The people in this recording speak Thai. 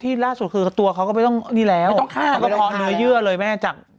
ล่าสุดคือตัวเขาก็ไม่ต้องนี่แล้วกระเพาะเนื้อเยื่อเลยแม่จาก